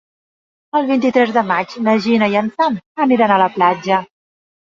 El vint-i-tres de maig na Gina i en Sam aniran a la platja.